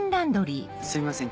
すいません